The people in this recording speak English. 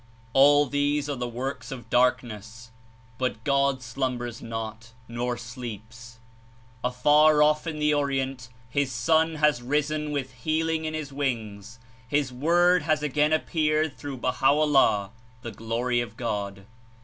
28 All these are the works of darkness, but God slum bers not, nor sleeps. Afar off In the Orient his Sun has risen with healing In his wings, his Word has again appeared through Baha'o' ^^^^^^''^ LLAH, the Glory of God.